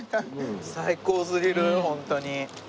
最高すぎるホントに。